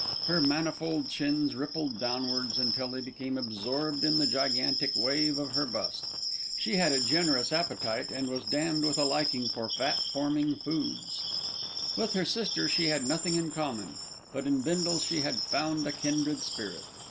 Her manifold chins rippled downwards until they became absorbed in the gigantic wave of her bust. She had a generous appetite, and was damned with a liking for fat forming foods. With her sister she had nothing in common; but in Bindle she had found a kindred spirit.